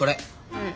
うん。